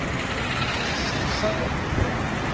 Tessemsadeḍ tiferyin.